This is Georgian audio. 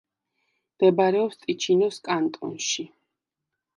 მდებარეობს ტიჩინოს კანტონში.